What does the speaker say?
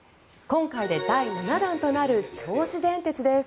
今回で第７弾となる銚子電鉄です。